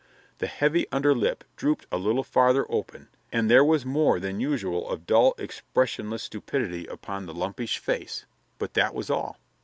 The heavy under lip dropped a little farther open and there was more than usual of dull, expressionless stupidity upon the lumpish face; but that was all.